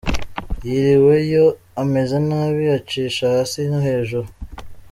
Yiriweyo ameze nabi acisha hasi no hejuru.